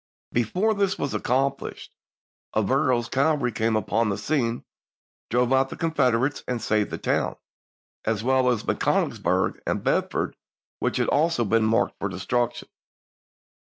Before this was accomplished AverilPs cavalry came upon the scene, drove out the Con oiimor, federates, and saved the town, as well as McCon Teantathe nellsburg and Bedford which had also been marked p. 213. for destruction.